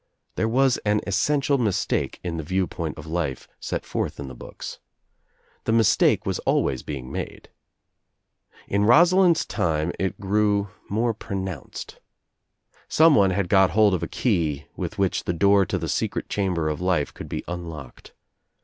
There was an essential mistake in the viewpoint of Ufe set forth in the books. The mistake I I OUT OF NOWHERE INTO NOTHING 203 was always being made. In Rosalind's time it grew more pronounced. Someone had got hold of a key with which the door to the secret chamber of life could be unlocked.